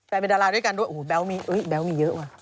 เป็นดาราด้วยกันด้วยโอ้โหแบ๊วมีแบ๊วมีเยอะว่ะ